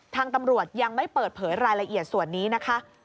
ทางตำรวจยังไม่เปิดเผยรายละเอียดส่วนนี้นะคะ